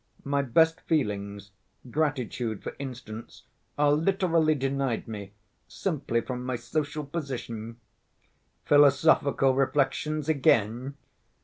My best feelings, gratitude, for instance, are literally denied me simply from my social position." "Philosophical reflections again?"